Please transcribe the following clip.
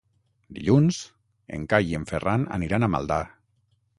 Dilluns en Cai i en Ferran aniran a Maldà.